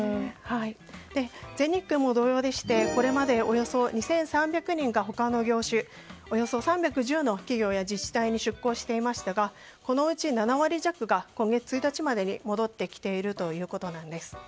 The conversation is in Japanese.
全日空も同様でしてこれまでおよそ２３００人が他の業種およそ３１０の企業や自治体に出向していましたがこのうち７割弱が今月１日までに戻ってきているということです。